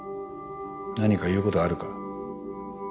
何か言うことあるか？